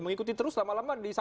mengikuti terus lama lama